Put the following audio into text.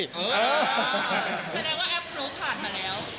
แสดงว่าแอปรู้ผ่านมาแล้ว